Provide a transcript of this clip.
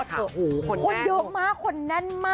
คนแหน้งหน่อย